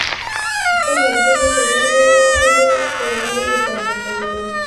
ما خپل ملګري ته زنګ ووهلو خو نه یې پورته کوی